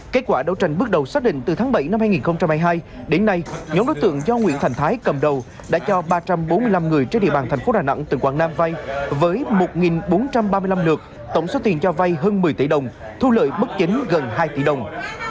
kết quả đấu tranh bước đầu xác định từ tháng bảy năm hai nghìn hai mươi hai đến nay nhóm đối tượng do nguyễn thành thái cầm đầu đã cho ba trăm bốn mươi năm người trên địa bàn thành phố đà nẵng tỉnh quảng nam vay với một bốn trăm ba mươi năm lượt tổng số tiền cho vay hơn một mươi tỷ đồng thu lợi bất chính gần hai tỷ đồng